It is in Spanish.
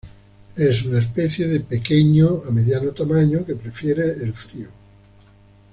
Es una especie de pequeño a mediano tamaño que prefiere el frío.